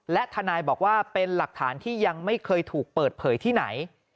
และทนายบอกว่าเป็นหลักฐานที่ยังไม่เคยถูกเปิดเผยที่ไหน